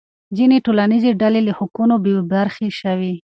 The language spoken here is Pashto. ځینې ټولنیزې ډلې له حقونو بې برخې شوې.